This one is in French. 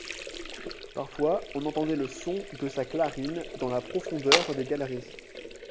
Parfois on entendait le son de sa clarine dans la profondeur des galeries.